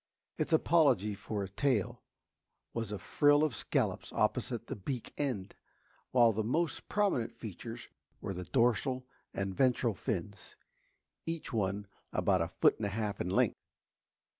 Its apology for a tail was a frill of scallops opposite the beak end, while the most prominent features were the dorsal and ventral fins, each one about a foot and a half in length.